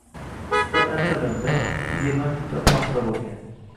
Suhbat ancha loʻnda, yigirma minut atrofida bo‘lgan